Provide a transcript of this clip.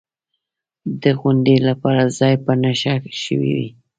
د غونډې لپاره ځای په نښه شوی و.